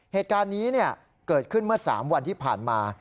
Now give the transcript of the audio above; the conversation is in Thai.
เหตุการณ์นี้เกิดขึ้นเมื่อ๓วันที่ผ่านมา